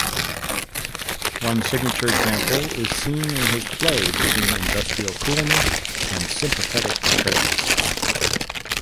One signature example is seen in his play between industrial coolness and sympathetic portrayals.